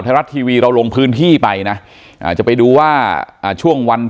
ธรรททีวีลองรงพื้นที่ไปนะอาจะไปดูว่าช่วงวันพระ